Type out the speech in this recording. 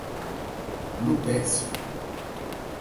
Lupércio